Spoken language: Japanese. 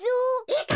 いいか！